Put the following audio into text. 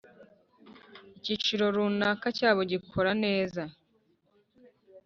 icyiciro runaka cyabo gikora neza.